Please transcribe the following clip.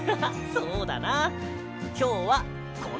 そうだな。